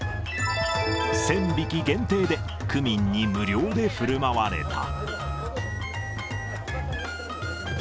１０００匹限定で区民に無料でふるまわれた。